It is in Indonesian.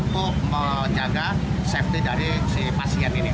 untuk menjaga safety dari si pasien ini